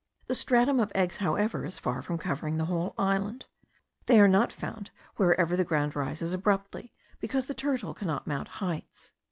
The stratum of eggs, however, is far from covering the whole island: they are not found wherever the ground rises abruptly, because the turtle cannot mount heights.